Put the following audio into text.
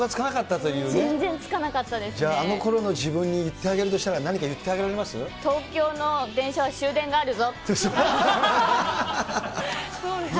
じゃあ、あのころの自分に言ってあげるとしたら、東京の電車は終電があるぞ。